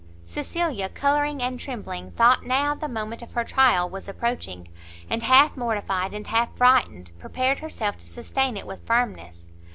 Cecilia colouring and trembling, thought now the moment of her trial was approaching, and half mortified and half frightened prepared herself to sustain it with firmness.